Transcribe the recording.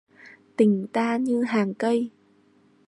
Tình ta như hàng cây